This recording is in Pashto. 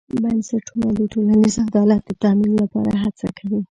بنسټونه د ټولنیز عدالت د تامین لپاره هڅه کوي.